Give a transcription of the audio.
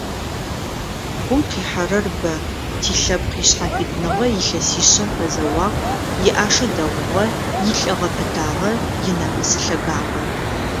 Гум къихьэрэр бэ: тилъэпкъ ишъхьафитныгъэ илъэсишъэм фэзэуагъ, иӏашэ дэгъугъэ, илӏыгъэ пытагъэ, инамыс лъэгагъэ…